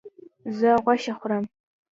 زه غوښه خورم